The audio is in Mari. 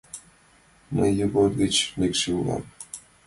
Мый ийгот гыч лекше улам.